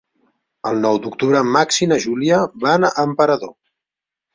El nou d'octubre en Max i na Júlia van a Emperador.